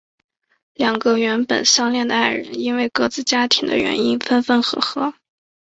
两个原本相恋的爱人因为各自家庭的原因分分合合。